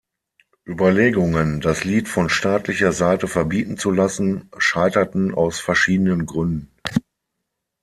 Überlegungen, das Lied von staatlicher Seite verbieten zu lassen, scheiterten aus verschiedenen Gründen.